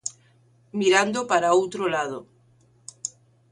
Mirando para outro lado.